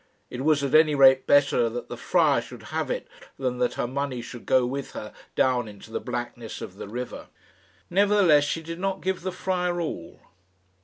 It was at any rate better that the friar should have it than that her money should go with her down into the blackness of the river. Nevertheless she did not give the friar all.